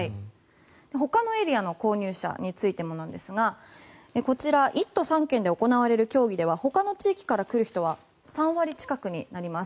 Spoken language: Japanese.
ほかのエリアの購入者についてですがこちら１都３県で行われる競技ではほかの地域から来る人は３割近くになります。